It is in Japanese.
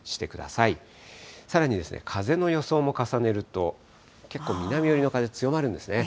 さらに風の予想も重ねると、結構、南寄りの風、強まるんですね。